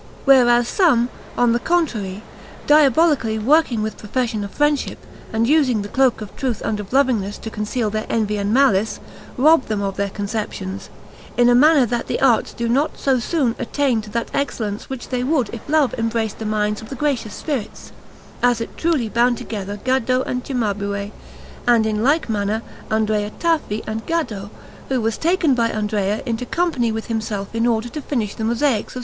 Whereas some, on the contrary, diabolically working with profession of friendship, and using the cloak of truth and of lovingness to conceal their envy and malice, rob them of their conceptions, in a manner that the arts do not so soon attain to that excellence which they would if love embraced the minds of the gracious spirits; as it truly bound together Gaddo and Cimabue, and in like manner Andrea Tafi and Gaddo, who was taken by Andrea into company with himself in order to finish the mosaics of S.